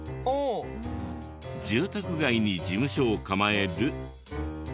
住宅街に事務所を構える。